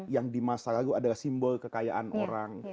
yang di masa lalu adalah simbol kekayaan orang